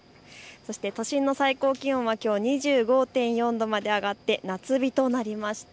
都心の最高気温は２５．４度まで上がって夏日となりました。